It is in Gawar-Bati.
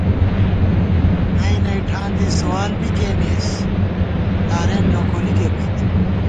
نئ نئ ٹھان دی سوال بی کېئیمېس ، تارېن لوکولِکے پت